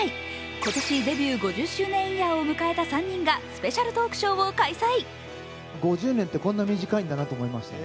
今年、デビュー５０周年イヤーを迎えた３人がスペシャルトークショーを開催。